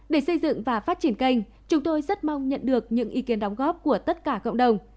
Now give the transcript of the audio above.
để xây dựng và phát triển kênh chúng tôi rất mong nhận được những ý kiến đóng góp của tất cả cộng đồng